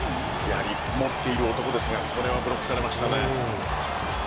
やはり持っている男ですがここではブロックされましたね。